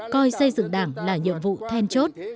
coi xây dựng đảng là nhiệm vụ then chốt